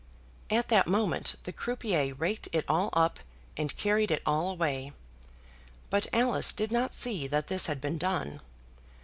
At that moment the croupier raked it all up, and carried it all away; but Alice did not see that this had been done.